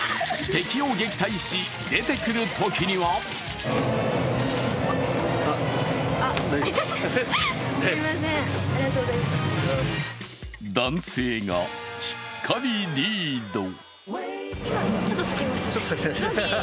敵を撃退し、出てくるときには男性がしっかりリード。